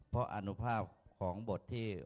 เพราะอนุภาพของบทที่